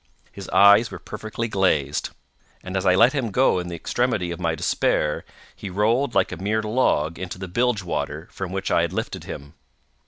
His eyes were perfectly glazed; and as I let him go in the extremity of my despair, he rolled like a mere log into the bilge water, from which I had lifted him.